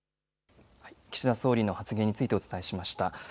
岸田総理の発言についてお伝えしました。